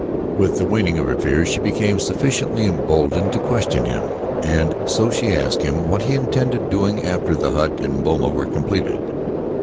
With the waning of her fears she became sufficiently emboldened to question him, and so she asked him what he intended doing after the hut and boma were completed.